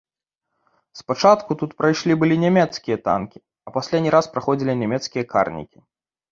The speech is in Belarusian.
Спачатку тут прайшлі былі нямецкія танкі, а пасля не раз праходзілі нямецкія карнікі.